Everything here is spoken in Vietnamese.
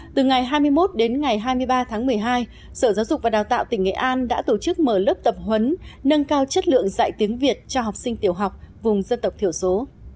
từ ngày hai mươi một đến ngày hai mươi ba tháng một mươi hai sở giáo dục và đào tạo tỉnh nghệ an đã tổ chức mở lớp tập huấn nâng cao chất lượng dạy tiếng việt cho học sinh tiểu học vùng dân tộc thiểu số